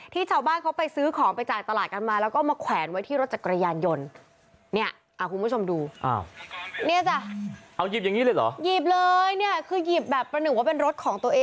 ชาวบ้านเขาไปซื้อของไปจ่ายตลาดกันมาแล้วก็มาแขวนไว้ที่รถจักรยานยนต์